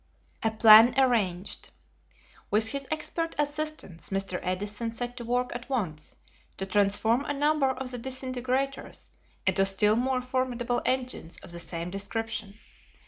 A Plan Arranged. With his expert assistants Mr. Edison set to work at once to transform a number of the disintegrators into still more formidable engines of the same description.